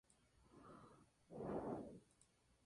Sin embargo, pierde un escaño en el Consejo de los Estados.